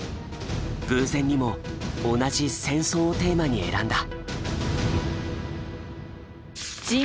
偶然にも同じ戦争をテーマに選んだ。